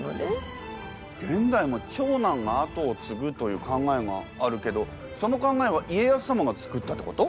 現代も長男があとを継ぐという考えがあるけどその考えは家康様が作ったってこと？